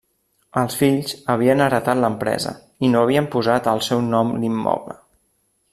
Els fills havien heretat l'empresa i no havien posat al seu nom l'immoble.